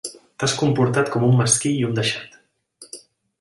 T'has comportat com un mesquí i un deixat.